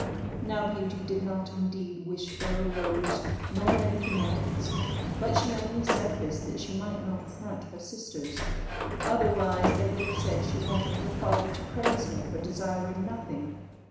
Now Beauty did not indeed wish for a rose, nor anything else, but she only said this that she might not affront her sisters; otherwise they would have said she wanted her father to praise her for desiring nothing.